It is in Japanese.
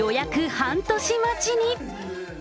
半年待ちに。